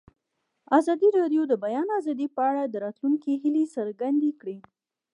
ازادي راډیو د د بیان آزادي په اړه د راتلونکي هیلې څرګندې کړې.